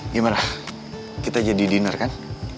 gimana kita jadi dinner kan